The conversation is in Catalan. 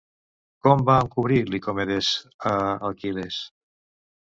Com va encobrir Licomedes a Aquil·les?